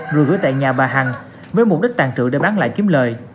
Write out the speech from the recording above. rồi gửi tại nhà bà hằng với mục đích tàn trữ để bán lại kiếm lời